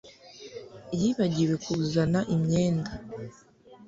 Yibagiwe kuzana imyenda